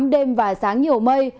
đêm và sáng nhiều mây